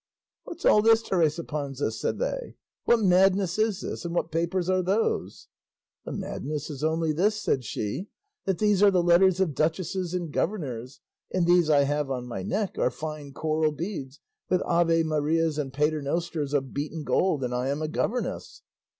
"What's all this, Teresa Panza," said they; "what madness is this, and what papers are those?" "The madness is only this," said she, "that these are the letters of duchesses and governors, and these I have on my neck are fine coral beads, with ave marias and paternosters of beaten gold, and I am a governess."